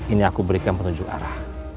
ini aku berikan petunjuk arah